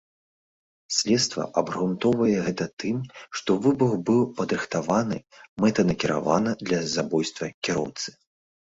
Следства абгрунтоўвае гэта тым, што выбух быў падрыхтаваны мэтанакіравана для забойства кіроўцы.